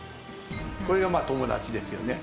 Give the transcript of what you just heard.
これが友達ですよね。